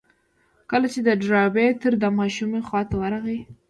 کله چې د ډاربي تره د ماشومې خواته ورغی.